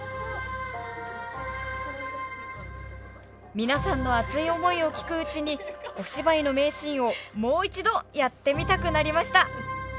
皆さんの熱い思いを聞くうちにお芝居の名シーンをもう一度やってみたくなりました。